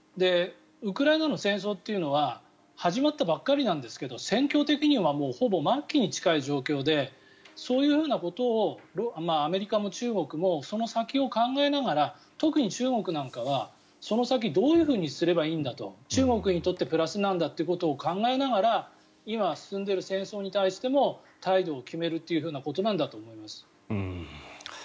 ウクライナの戦争っていうのは始まったばかりなんですが戦況的にはほぼ末期に近い状況でそういうふうなことをアメリカも中国もその先を考えながら特に中国なんかはその先どういうふうにすればいいんだと中国にとってプラスなんだということを考えながら今、進んでいる戦争に対しても態度を決めるということなんだと思います。